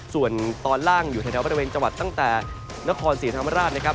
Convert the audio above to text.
ส่วนตอนล่างอยู่แถวบริเวณจังหวัดตั้งแต่นครศรีธรรมราชนะครับ